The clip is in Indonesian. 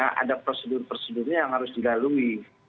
ada prosedur prosedurnya yang harus dilalui